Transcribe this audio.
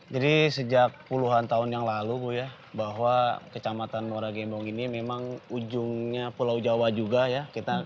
jadi sejak puluhan tahun yang lalu ya bahwa kecamatan muara gembong ini memang ujungnya pulau jawa juga kita